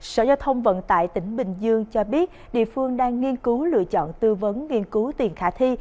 sở giao thông vận tải tỉnh bình dương cho biết địa phương đang nghiên cứu lựa chọn tư vấn nghiên cứu tiền khả thi